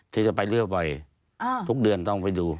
ที่จะไปเรื่อยบ่อยทุกเดือนต้องไปดู